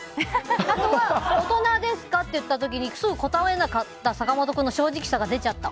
あとは、大人ですかって言った時にすぐ答えなかった坂本君の正直さが出ちゃった。